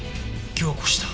凝固した。